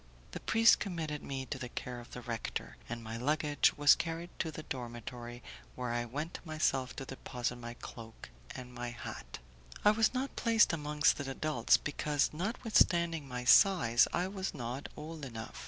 The priest committed me to the care of the rector, and my luggage was carried to the dormitory, where I went myself to deposit my cloak and my hat. I was not placed amongst the adults, because, notwithstanding my size, I was not old enough.